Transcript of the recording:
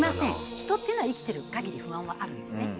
人っていうのは生きてる限り不安はあるんですね。